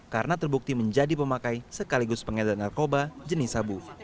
karena terbukti menjadi pemakai sekaligus pengedat narkoba jenis sabu